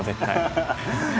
ハハハハ！